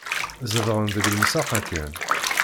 Zedɣen deg lemsaq-a kan.